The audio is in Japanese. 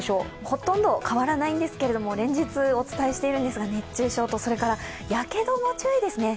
ほとんど変わらないんですけど、連日お伝えしてるんですけど熱中症とやけども注意ですね。